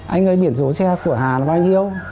anh ơi biển số xe của hà là bao nhiêu